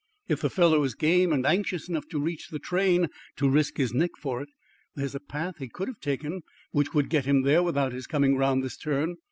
If the fellow is game, and anxious enough to reach the train to risk his neck for it, there's a path he could have taken which would get him there without his coming round this turn.